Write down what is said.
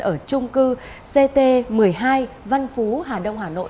ở trung cư ct một mươi hai văn phú hà đông hà nội